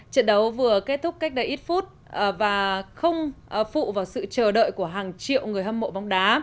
trận đấu vừa kết thúc cách đây ít phút và không phụ vào sự chờ đợi của hàng triệu người hâm mộ bóng đá